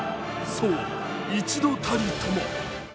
そう、一度たりとも。